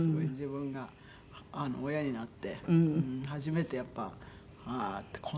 自分が親になって初めてやっぱりああって。